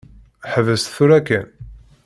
Ḥbes tura kan.